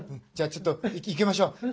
じゃあちょっといきましょう。